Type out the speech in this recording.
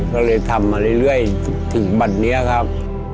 ก็เลยทำมาเรื่อยถึงบัตรนี้ครับ